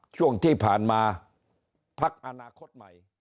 ช่วงที่ผ่านมาพักอนาคตใหม่